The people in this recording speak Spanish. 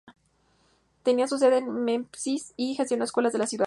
Tenía su sede en Memphis y gestionó escuelas en la ciudad.